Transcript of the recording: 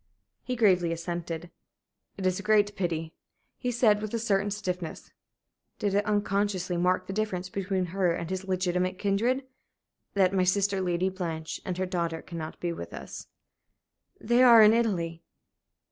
He gravely assented. "It is a great pity," he said, with a certain stiffness did it unconsciously mark the difference between her and his legitimate kindred? "that my sister Lady Blanche and her daughter cannot be with us." "They are in Italy?"